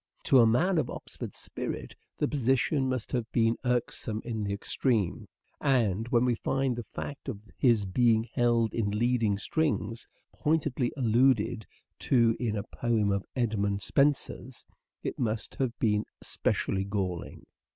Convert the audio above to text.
To a man of Oxford's spirit the position must have been irksome in the extreme ; and when we find the fact of his being held in leading strings pointedly alluded to in a poem of Edmund Spenser's, it must have been specially galling.